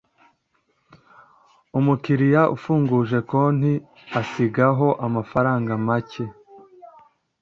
Umukiriya afunguje konti asigaho amafaranga macye